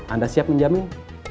anda siap menjamin